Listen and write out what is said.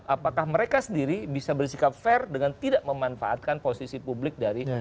apakah mereka sendiri bisa bersikap fair dengan tidak memanfaatkan posisi publik dari